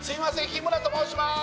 日村と申します